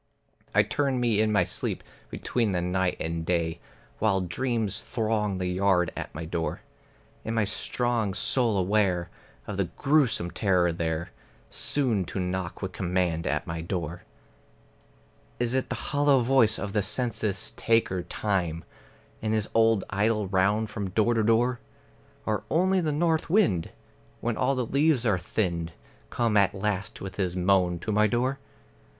I turn me in my sleep between the night and day, While dreams throng the yard at my door. In my strong soul aware of a grewsome terror there Soon to knock with command at my door. Is it the hollow voice of the census taker Time In his old idle round from door to door? Or only the north wind, when all the leaves are thinned, Come at last with his moan to my door?